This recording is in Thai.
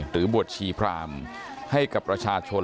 หรือบวชชีพรามให้กับประชาชน